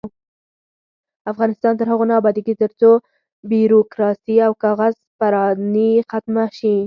افغانستان تر هغو نه ابادیږي، ترڅو بیروکراسي او کاغذ پراني ختمه نشي.